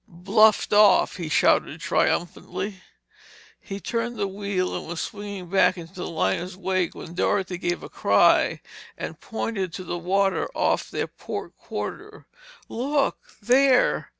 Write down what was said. "Bluffed off!" he shouted triumphantly. He turned the wheel and was swinging back into the liner's wake when Dorothy gave a cry and pointed to the water off their port quarter. "Look! There!